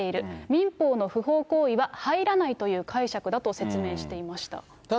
民法の不法行為は入らないという解釈だと説明していました。